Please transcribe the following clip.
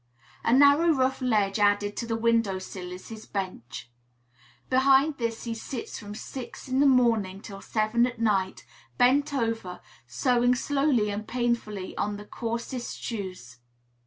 A narrow rough ledge added to the window sill is his bench. Behind this he sits from six in the morning till seven at night, bent over, sewing slowly and painfully on the coarsest shoes.